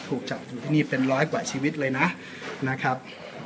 ถูกจับนี่เป็นร้อยกว่าชีวิตเลยนะครับ